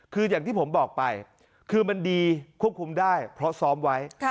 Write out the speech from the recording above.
คืออย่างที่ผมบอกไปคือมันดีควบคุมได้เพราะซ้อมไว้